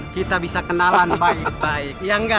kita bisa kenalan baik baik iya nggak